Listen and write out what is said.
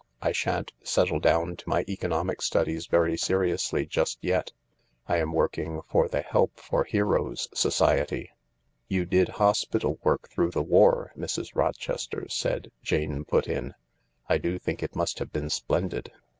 I shan't settle down to my economic studies very seriously just yet. I'm working for the Help for Heroes Society." " You did hospital work through the war, Mrs, Rochester said," Jane put in. " I do think it must have been splendid.